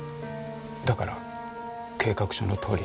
だから計画書の通り